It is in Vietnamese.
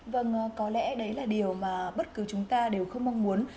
vâng có lẽ đấy là điều mà bất cứ chúng ta đều không mong muốn